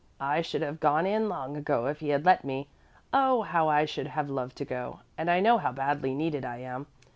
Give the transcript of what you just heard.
"I should have gone in long ago if he had let me. Oh, how I should have loved to go, and I know how badly needed I am.